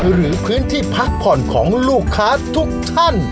หรือพื้นที่พักผ่อนของลูกค้าทุกท่าน